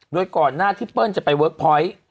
โดยก่อนหน้าที่เปิ้ลจะไปเวิร์คพอยต์